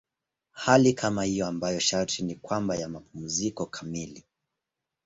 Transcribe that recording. Hali kama hiyo ambayo sharti ni kwamba ya mapumziko kamili.